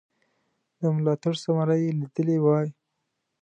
د ملاتړ ثمره یې لیدلې وای.